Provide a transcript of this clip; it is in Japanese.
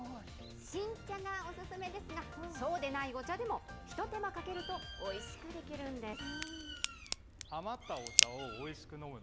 新茶がお勧めですが、そうでないお茶でも、ひと手間かけると、おいしく出来るんです。